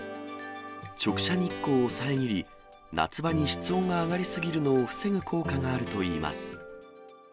直射日光を遮り、夏場に室温が上がり過ぎるのを防ぐ効果があるといいます。